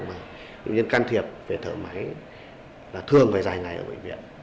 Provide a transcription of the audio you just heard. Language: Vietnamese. bệnh nhân can thiệp về thợ máy là thường phải dài ngày ở bệnh viện